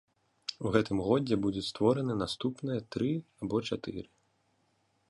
У гэтым годзе будуць створаны наступныя тры або чатыры.